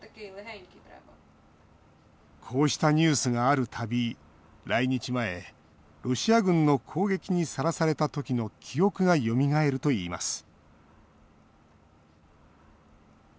こうしたニュースがある度来日前、ロシア軍の攻撃にさらされたときの記憶がよみがえるといいます